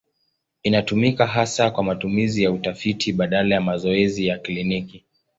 Inatumika hasa kwa matumizi ya utafiti badala ya mazoezi ya kliniki.